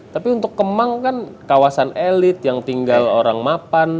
tapi untuk kemang kan kawasan elit yang tinggal orang mapan